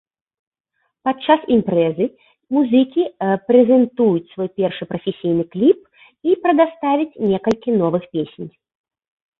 Падчас імпрэзы музыкі прэзентуюць свой першы прафесійны кліп і прадаставяць некалькі новых песень.